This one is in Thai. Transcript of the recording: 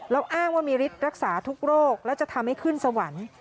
แล้วอ้างว่ามีฤทธิ์รักษาทุกโรคแล้วจะทำให้ขึ้นสวรรค์